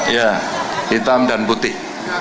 ya hitam dan putih